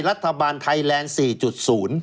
รัฐบาลไทยแลนด์๔๐